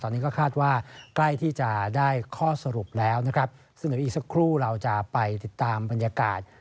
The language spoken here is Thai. และก็คาดว่าใกล้ที่จะได้ข้อสรุปแล้วซึ่งเหลืออีกสักครู่เราจะไปติดตามบรรยากาศ